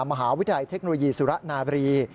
มหาวิทยาลัยเทคโนโลยีสุระนาบรี